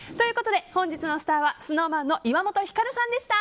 本日のスターはＳｎｏｗＭａｎの岩本照さんでした。